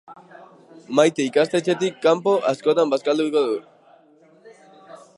Maite ikastetxetik kanpo askotan bazkalduko du.